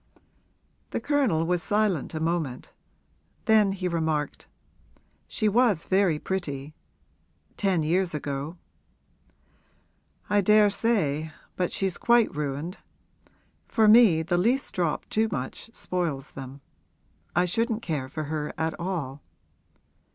The Colonel was silent a moment; then he remarked, 'She was very pretty ten years ago.' 'I daresay, but she's quite ruined. For me the least drop too much spoils them; I shouldn't care for her at all.'